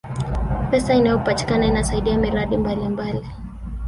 pesa inayopatikana inasaidia miradi mbalimbali